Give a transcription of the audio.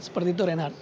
seperti itu renat